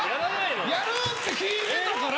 やるって聞いてたから。